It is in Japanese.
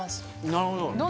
なるほど。